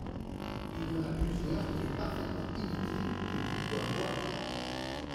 Il y en a plusieurs qu'il est parfaitement inutile que Dubois voie.